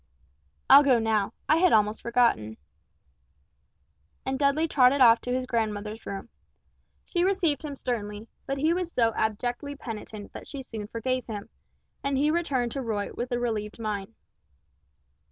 "I'll go now, I had almost forgotten." And Dudley trotted off to his grandmother's room. She received him sternly, but he was so abjectly penitent that she soon forgave him, and he returned to Roy with a relieved mind.